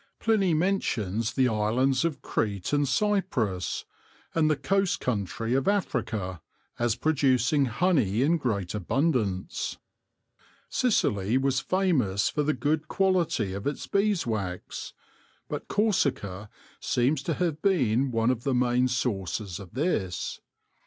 Pliny mentions the 12 THE LORE OF THE HONEY BEE islands of Crete and Cyprus, and the coast country of Africa, as producing honey in great abundance. Sicily was famous for the good quality of its beeswax, but Corsica seems to have been one of the main sources of this.